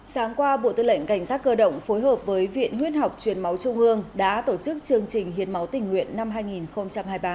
sáng qua bộ tư lệnh cảnh sát cơ động phối hợp với viện huyết học truyền máu trung ương đã tổ chức chương trình hiến máu tình nguyện năm hai nghìn hai mươi ba